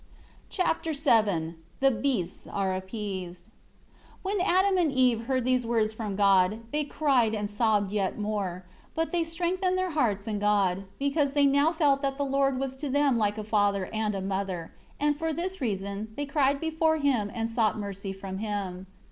Chapter VII The beasts are appeased. 1 When Adam and Eve heard these words from God, they cried and sobbed yet more; but they strengthened their hearts in God, because they now felt that the Lord was to them like a father and a mother; and for this very reason, they cried before Him, and sought mercy from Him.